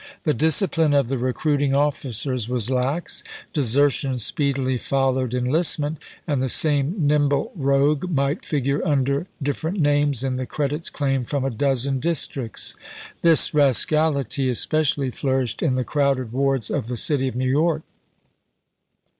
The discipline of the recruiting officers was lax; desertion speedily followed enlistment, and the same nimble rogue might figure, under dif ferent names, in the credits claimed from a dozen districts. This rascality especially flourished in the crowded wards of the city of New York.